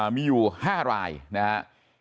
มีอยู่ห้ารายนะฮะ